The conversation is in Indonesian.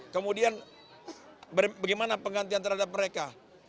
kemudian bagaimana penggantian terhadap mereka